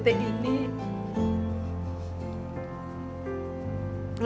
dan saya akan berhenti